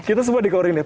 kita semua dikoreng deh